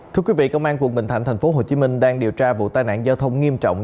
thưa quý vị công an quận bình thạnh thành phố hồ chí minh đang điều tra vụ tai nạn giao thông nghiêm trọng